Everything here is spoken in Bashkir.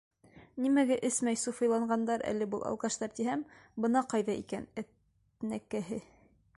Нимәгә эсмәй суфыйланғандар әле был алкаштар, тиһәм... бына ҡайҙа икән әтнәкәһе!